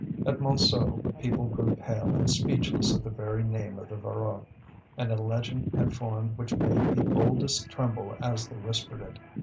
At Montsou people grew pale and speechless at the very name of the Voreux, and a legend had formed which made the boldest tremble as they whispered it.